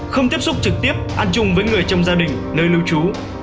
không tiếp xúc trực tiếp ăn chung với người trong gia đình nơi lưu trú